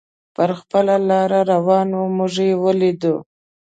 پر خپله لار روان و، موږ یې ولیدو.